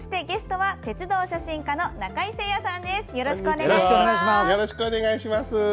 ゲストは鉄道写真家の中井精也さんです。